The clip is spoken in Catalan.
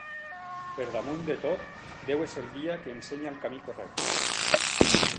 Per damunt de tot, Déu és el guia que ensenya el camí correcte.